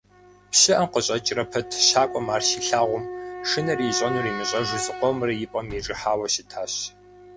ПщыӀэм къыщӀэкӀрэ пэт щакӀуэм ар щилъагъум, шынэри ищӀэнур имыщӀэу зыкъомрэ и пӏэм ижыхьауэ щытащ.